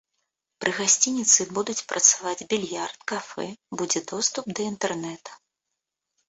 Пры гасцініцы будуць працаваць більярд, кафэ, будзе доступ да інтэрнэта.